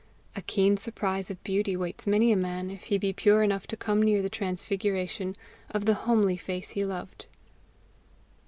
A keen surprise of beauty waits many a man, if he be pure enough to come near the transfiguration of the homely face he loved.